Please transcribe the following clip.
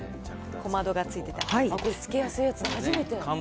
小窓がついててつけやすいやつ、初めて。